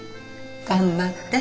頑張って。